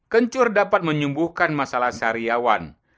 kencur dapat menyembuhkan masalah syariawan